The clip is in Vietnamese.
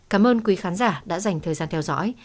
cảm ơn quý khán giả đã dành thời gian theo dõi